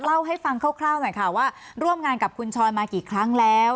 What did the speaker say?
เล่าให้ฟังคร่าวหน่อยค่ะว่าร่วมงานกับคุณชอยมากี่ครั้งแล้ว